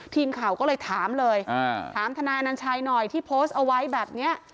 ทีมข่าวก็เลยถามเลยถามทนายอนัญชัยหน่อยที่โพสต์เอาไว้แบบนี้